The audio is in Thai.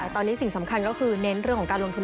ตอนนี้สิ่งสำคัญก็คือเน้นเรื่องของการลงทุน